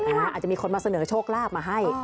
อันนี้อาจจะมีคนมาเสนอโชคลาบมาให้